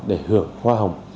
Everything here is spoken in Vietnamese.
để hưởng hoa hồng